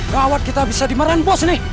kawan kita bisa dimerampos nih